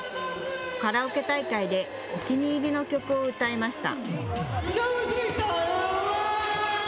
カラオケ大会でお気に入りの曲を歌いました。